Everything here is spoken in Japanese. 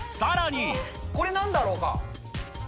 これなんだろうか。